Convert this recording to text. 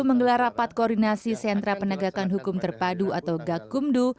menggelar rapat koordinasi sentra penegakan hukum terpadu atau gakumdu